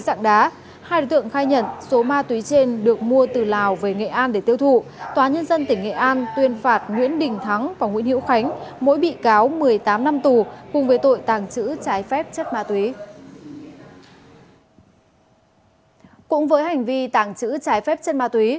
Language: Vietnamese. cũng với hành vi tàng trữ trái phép chất ma túy